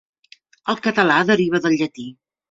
El català deriva del llatí.